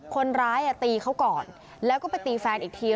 คนร้ายตีเขาก่อนแล้วก็ไปตีแฟนอีกที